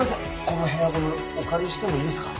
このヘアゴムお借りしてもいいですか？